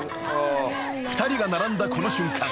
［２人が並んだこの瞬間